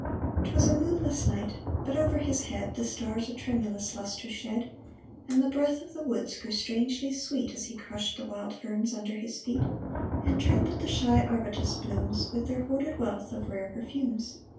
'Twas a moonless night ; but over his head The stars a tremulous lustre shed, And the breath of the woods grew strangely sweet, As he crushed the wild ferns under his feet, And trampled the shy arbutus blooms. With their hoarded wealth of rare perfumes.